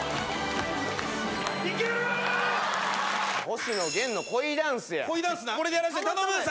星野源の恋ダンスや。